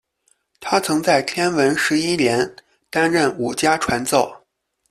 他曾在天文十一年担任武家传奏。